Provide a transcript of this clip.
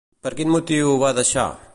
Per quin motiu ho va deixar?